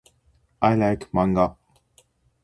I like manga.